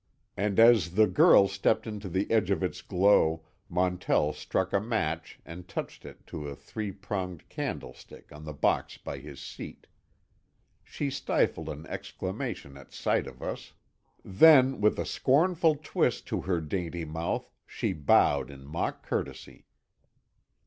And as the girl stepped into the edge of its glow Montell struck a match and touched it to a three pronged candlestick on the box by his seat. She stifled an exclamation at sight of us. Then, with a scornful twist to her dainty mouth, she bowed in mock courtesy.